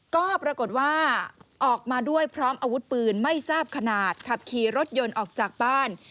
ก็ปรากฏว่าออกมาด้วยพร้อมอาวุธปืนไม่ทราบขนาดขับขี่รถยนต์ออกจากบ้าน